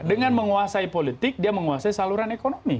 dengan menguasai politik dia menguasai saluran ekonomi